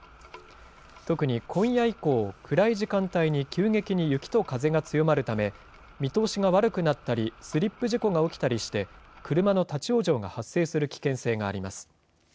特に今夜以降、暗い時間帯に急激に雪と風が強まるため、見通しが悪くなったり、スリップ事故が起きたりして、車の立往生が発生する危険性があります。